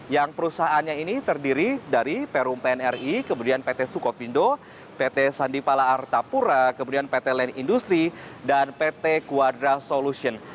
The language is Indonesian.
yang perusahaannya ini terdiri dari perum pnri kemudian pt sukovindo pt sandipala artapura kemudian pt line industri dan pt quadra solution